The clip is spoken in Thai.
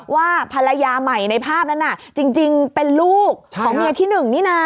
ว่าภรรยาใหม่ในภาพนั้นน่ะจริงเป็นลูกของเมียที่หนึ่งนี่นะ